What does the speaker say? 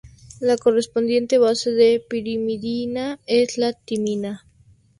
La correspondiente base de pirimidina es la timina.